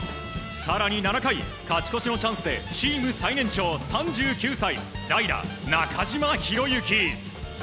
更に７回、勝ち越しのチャンスでチーム最年長３９歳代打、中島。